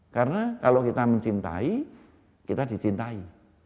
karena kalau kita mencintai kita dicintai